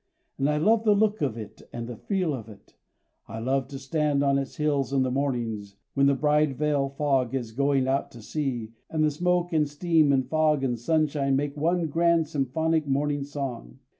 And I love the look of it and the feel of it. I love to stand, on its hills in the mornings when the bride veil fog is going out to sea and the smoke and steam and fog and sunshine make one grand symphonic morning song.